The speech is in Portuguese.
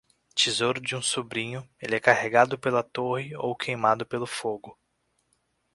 Tesouro de um sobrinho, ele é carregado pela torre ou queimado pelo fogo.